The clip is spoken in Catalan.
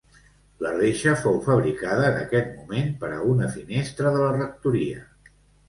La reixa fou fabricada en aquest moment per a una finestra de la rectoria.